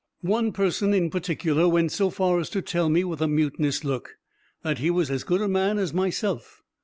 One person, in particular, went so far as to tell me, with a mutinous look, that he was as good a man as myself.